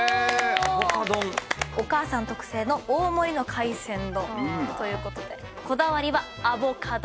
お母さん特製の大盛りの海鮮丼ということでこだわりはアボカド。